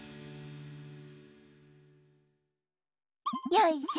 よいしょ。